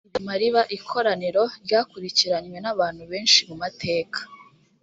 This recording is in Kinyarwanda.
ibyo bituma riba ikoraniro ryakurikiranywe n’abantu benshi mu mateka